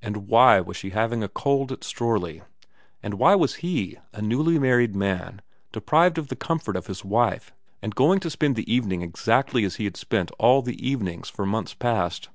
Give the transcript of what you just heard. And why was she having a cold at Strorley ? And why was he, a newly married man, deprived of the comfort of his wife and going to spend the evening exactly as he had spent all the evenings for months past